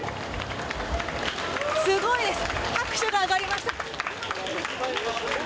すごいです拍手が上がりました。